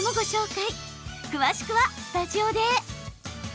詳しくはスタジオで。